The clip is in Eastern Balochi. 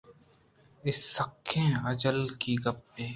اے سکّیں اجکّہی گپّے